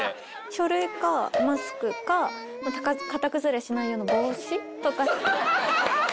書類かマスクか形崩れしないような帽子とか。